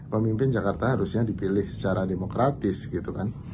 pemimpin jakarta harusnya dipilih secara demokratis gitu kan